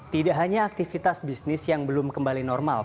tidak hanya aktivitas bisnis yang belum kembali normal